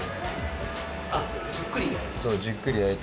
・あっじっくり焼いて？